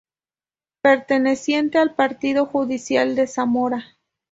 Perteneciente al Partido Judicial de Zamora.